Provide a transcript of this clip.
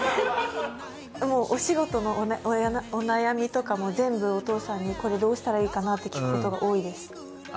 もう、お仕事のお悩みとかも全部お父さんにこれ、どうしたらいいかなって聞くことが多いです。